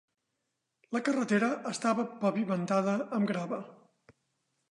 La carretera estava pavimentada amb grava.